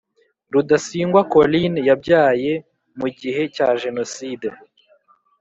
Rudasingwa Coline yabyaye mu gihe cya Jenoside